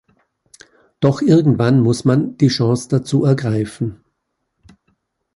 Doch irgendwann muss man die Chance dazu ergreifen.